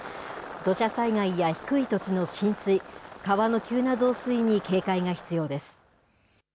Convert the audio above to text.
土砂災害や低い土地の浸水、川の急な増水に警戒が必要です。